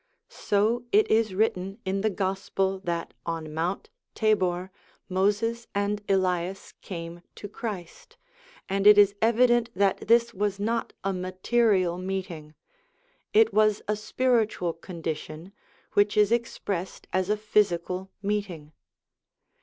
So it is written in the Gospel that on Mount Tabor, Moses and Elias came to Christ, and it is evident that this was not a material meeting. It was a spiritual condition, which is expressed as a physical meeting.